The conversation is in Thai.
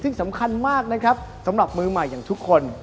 ซึ่งสำคัญมากนะครับสำหรับมือใหม่อย่างทุกคน